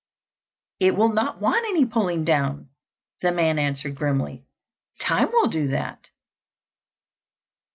"It will not want any pulling down," the man answered grimly. "Time will do that."